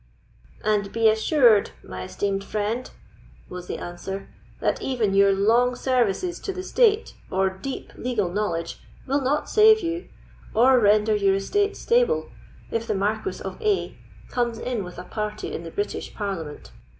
'" "And be assured, my esteemed friend," was the answer, "that even your long services to the state, or deep legal knowledge, will not save you, or render your estate stable, if the Marquis of A—— comes in with a party in the British Parliament.